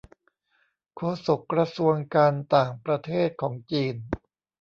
โฆษกกระทรวงการต่างประเทศของจีน